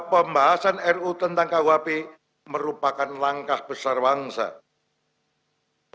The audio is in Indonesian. dan pembatasan ruu tentang kuhp dan peraturan perandalan b kuhp dan berpengalaman dan lainnya